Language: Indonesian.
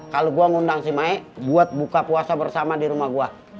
kalau gue ngundang si maik buat buka puasa bersama di rumah gue